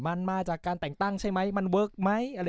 มันมาจากการแต่งตั้งใช่ไหมมันเวิร์คไหม